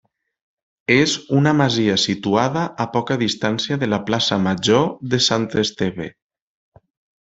És una masia situada a poca distància de la plaça major de Sant Esteve.